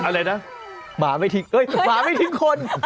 อะไรนะหมาไม่ทิ้งเอ้ยหมาไม่ทิ้งคน